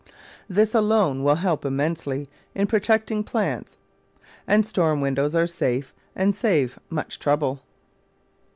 This alone will help immensely in pro tecting plants, and storm windows are safe and save much trouble.